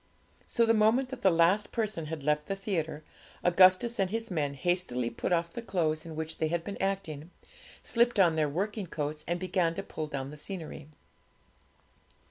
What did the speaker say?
So, the moment that the last person had left the theatre, Augustus and his men hastily put off the clothes in which they had been acting, slipped on their working coats, and began to pull down the scenery.